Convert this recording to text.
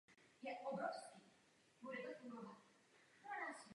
Vykonávají veškerou práci na ostrově.